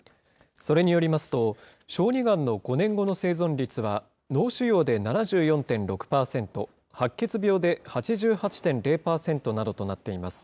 それによりますと、小児がんの５年後の生存率は、脳腫瘍で７４．６％、白血病で８８．０％などとなっています。